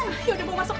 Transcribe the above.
yaudah mau masuk